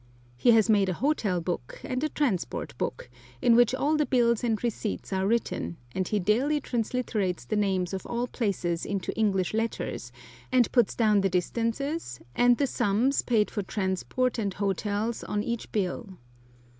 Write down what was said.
He has made a hotel book and a transport book, in which all the bills and receipts are written, and he daily transliterates the names of all places into English letters, and puts down the distances and the sums paid for transport and hotels on each bill.